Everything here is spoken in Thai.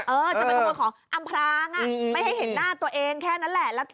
จะไปขโมยของอำพรางไม่ให้เห็นหน้าตัวเองแค่นั้นแหละ